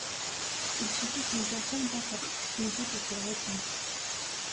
Il suffit qu'une personne passe à proximité pour qu'elle réponde.